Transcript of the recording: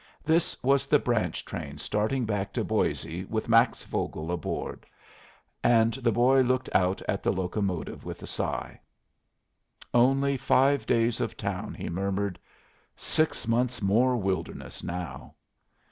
This was the branch train starting back to Boise with Max Vogel aboard; and the boy looked out at the locomotive with a sigh. "Only five days of town," he murmured. "Six months more wilderness now."